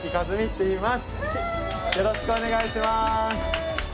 よろしくお願いします！